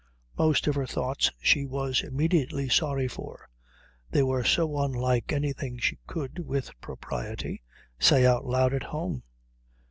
Most of her thoughts she was immediately sorry for, they were so unlike anything she could, with propriety, say out loud at home.